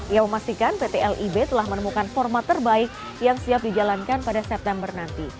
ia memastikan pt lib telah menemukan format terbaik yang siap dijalankan pada september nanti